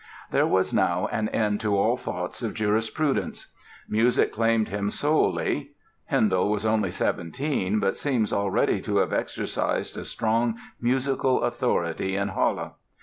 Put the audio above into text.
There was now an end to all thoughts of jurisprudence. Music claimed him solely. Handel was only 17 but seems already to have exercised a strong musical authority in Halle.